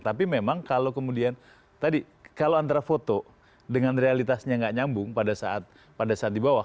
tapi memang kalau kemudian tadi kalau antara foto dengan realitasnya nggak nyambung pada saat di bawah